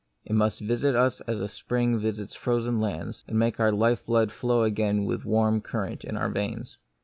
It must visit us as spring visits the frozen lands, and make our life blood flow again with a warm current in our veins.